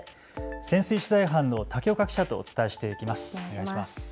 潜水取材班の竹岡記者とお伝えしていきます。